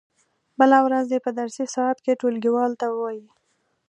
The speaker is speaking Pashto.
بله ورځ دې په درسي ساعت کې ټولګیوالو ته و وایي.